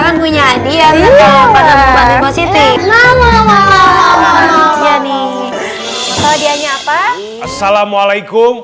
kan punya dia tetap pada memuatnya positi ngomong ngomong ini kalau dianya apa assalamualaikum